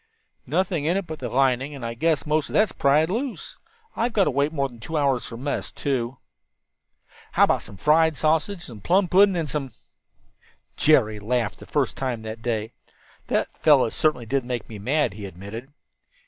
"Nothing in it but the lining, and I guess most of that's pried loose. We've got to wait more than two hours for mess, too." "How about some fried sausage, and some plum pudding, and some " Jerry laughed for the first time that day. "That fellow certainly did make me mad," he admitted.